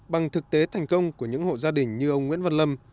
bằng thực tế thành công của những hộ gia đình như ông nguyễn văn lâm